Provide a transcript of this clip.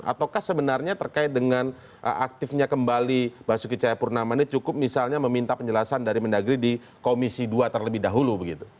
ataukah sebenarnya terkait dengan aktifnya kembali basuki cahayapurnama ini cukup misalnya meminta penjelasan dari mendagri di komisi dua terlebih dahulu begitu